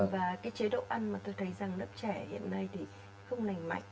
và cái chế độ ăn mà tôi thấy rằng lớp trẻ hiện nay thì không lành mạnh